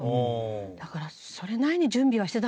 だからそれなりに準備はしてたんだなと。